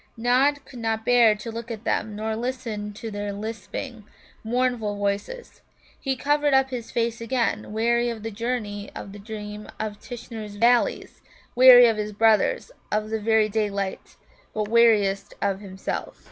Nod could not bear to look at them nor listen to their lisping, mournful voices. He covered up his face again, weary of the journey and of the dream of Tishnar's Valleys, weary of his brothers, of the very daylight, but weariest of himself.